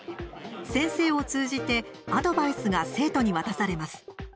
先生を通じてアドバイスが生徒に渡されます。